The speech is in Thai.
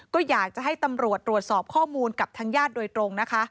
ก็อยากจะให้ตำรวจตรวจสอบข้อมูลกับทางญาติโดยตรงนะคะ